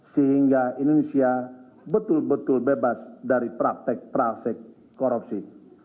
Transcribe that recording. sehingga indonesia betul betul bebas dari praktik praktik korupsi